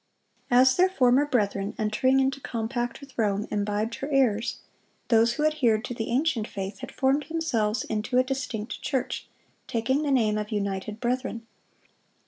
As their former brethren, entering into compact with Rome, imbibed her errors, those who adhered to the ancient faith had formed themselves into a distinct church, taking the name of "United Brethren."